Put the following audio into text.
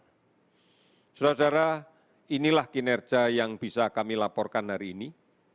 saudara saudara inilah kinerja yang bisa kami laporkan hari ini